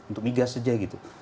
untuk migas saja gitu